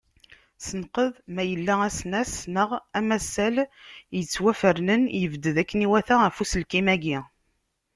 Senqed ma yella asnas neɣ amasal yettwafernen yebded akken iwata ɣef uselkim-agi.